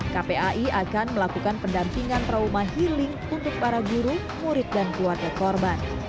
kpai akan melakukan pendampingan trauma healing untuk para guru murid dan keluarga korban